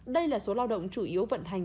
đây là số lao động chủ yếu vận hành